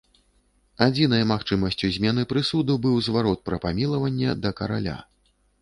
Адзінай магчымасцю змены прысуду быў зварот пра памілаванне да караля.